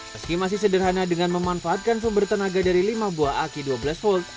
meski masih sederhana dengan memanfaatkan sumber tenaga dari lima buah aki dua belas v